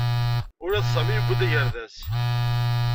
Ula d Sami yewwi-d agerdas.